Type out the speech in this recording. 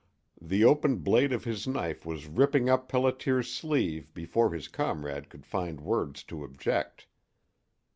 The open blade of his knife was ripping up Pelliter's sleeve before his comrade could find words to object.